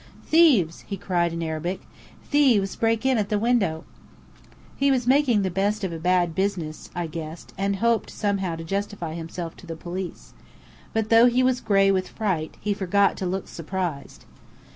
"Thieves!" he cried in Arabic. "Thieves break in at the windows!" He was making the best of a bad business, I guessed, and hoped somehow to justify himself to the police. But though he was gray with fright, he forgot to look surprised.